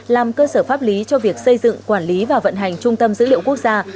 làm cơ sở pháp lý cho việc xây dựng quản lý và vận hành trung tâm dữ liệu quốc gia